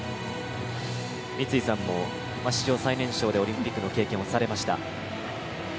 三井さんも、史上最年少でオリンピックの経験をされました。